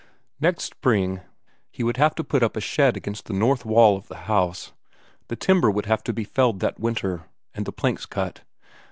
Next spring he would have to put up a shed against the north wall of the house; the timber would have to be felled that winter, and the planks cut.